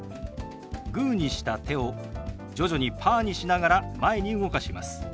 グーにした手を徐々にパーにしながら前に動かします。